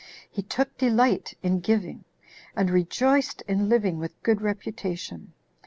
He took delight in giving, and rejoiced in living with good reputation.